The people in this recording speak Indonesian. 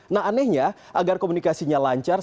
nah anehnya agar komunikasinya lancar